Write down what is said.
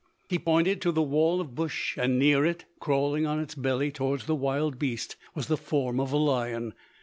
He pointed to the wall of bush, and near it, crawling on its belly toward the wildbeest, was the form of a lion.